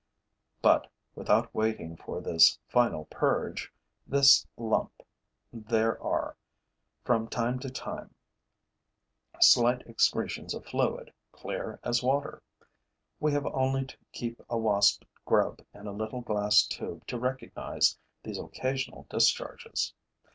But, without waiting for this final purge, this lump, there are, from time to time, slight excretions of fluid, clear as water. We have only to keep a Wasp grub in a little glass tube to recognize these occasional discharges.